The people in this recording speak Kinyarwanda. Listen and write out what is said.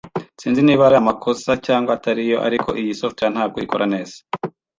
Sinzi niba ari amakosa cyangwa atariyo, ariko iyi software ntabwo ikora neza.